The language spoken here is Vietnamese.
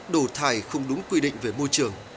đồ thải không đúng quy định về môi trường